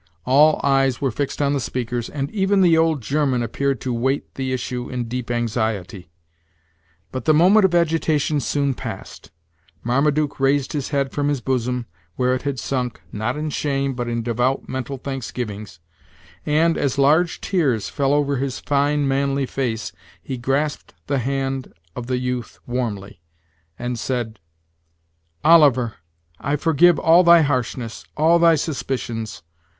All eyes were fixed on the speakers, and even the old German appeared to wait the issue in deep anxiety. But the moment of agitation soon passed. Marmaduke raised his head from his bosom, where it had sunk, not in shame, but in devout mental thanksgivings, and, as large tears fell over his fine, manly face, he grasped the hand of the youth warmly, and said: "Oliver, I forgive all thy harshness all thy suspicions.